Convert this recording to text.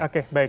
oke baik baik